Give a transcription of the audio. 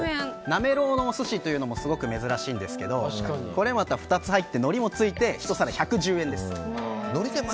なめろうのお寿司というのもすごく珍しいんですけどこれまた、２つ入ってのりも付いて１皿１１０円です。